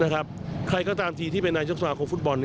ใครก็ตามทีที่เป็นนายกสมาคมฟุตบอล